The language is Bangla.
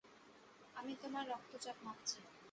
আমি তোমার রক্তচাপ মাপছি।